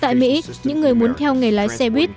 tại mỹ những người muốn theo nghề lái xe buýt